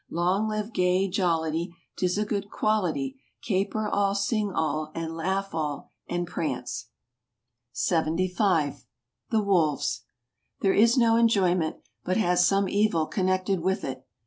Long live gay jollity, 'Tis a good quality, Caper all, sing all, and laugh all, and prance. 8 * 90 SPAIN. 75. The Wolves. There is no enjoyment, but has some evil connected with it.